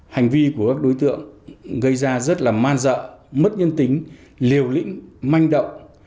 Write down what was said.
hành vi của các đối tượng gây ra rất là man dợ mất nhân tính liều lĩnh manh động